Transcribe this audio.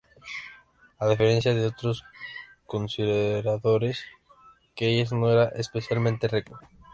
A diferencia de otros conspiradores, Keyes no era especialmente rico.